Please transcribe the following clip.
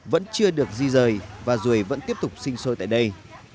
vẫn chưa được di rời và ruồi vẫn tiếp tục sinh sôi tại đây